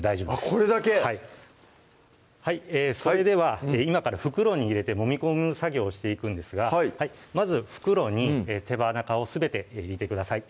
これだけそれでは今から袋に入れてもみ込む作業をしていくんですがまず袋に手羽中をすべて入れてください